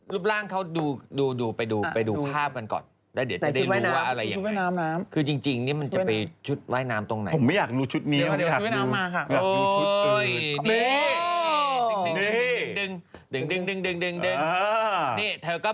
รูปร่างเขาดูไปดูภาพกันก่อน